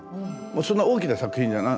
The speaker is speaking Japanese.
そんな大きな作品じゃない。